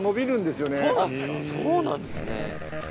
そうなんですね。